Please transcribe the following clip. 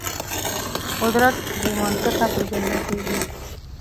قدرت بې منطقه پېژندل کېږي.